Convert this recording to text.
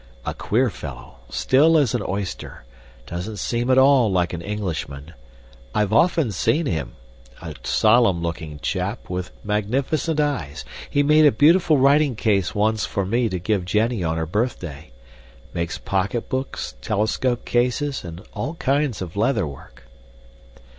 A queer fellow still as an oyster doesn't seem at all like an Englishman. I've often seen him a solemn looking chap, with magnificent eyes. He made a beautiful writing case once for me to give Jenny on her birthday. Makes pocketbooks, telescope cases, and all kinds of leatherwork."